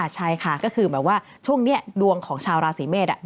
ใช่ค่ะก็คือดวงของชาวราศีเมษฯ